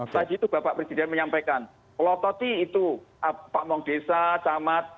tadi itu bapak presiden menyampaikan kalau toti itu pak mong desa tamat